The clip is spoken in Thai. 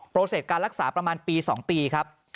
เสร็จการรักษาประมาณปี๒ปีครับ